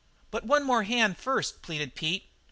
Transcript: "But one more hand first," pleaded Pete.